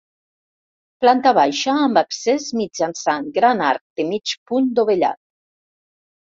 Planta baixa amb accés mitjançant gran arc de mig punt dovellat.